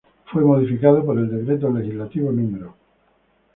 Fue modificado por el Decreto Legislativo No.